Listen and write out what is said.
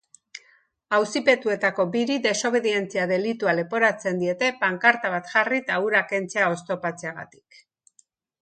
Auzipetuetako biri desobedientzia delitua leporatzen diete pankarta bat jarri eta hura kentzea oztopatzeagatik.